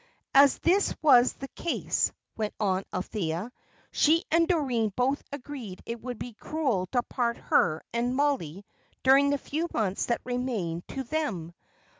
As this was the case, went on Althea, she and Doreen both agreed that it would be cruel to part her and Mollie during the few months that remained to them.